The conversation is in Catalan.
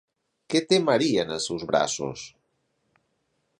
Què té Maria en els seus braços?